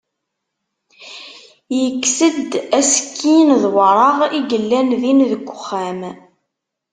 Yekkes-d asekkin d waɣer i yellan din deg uxxam.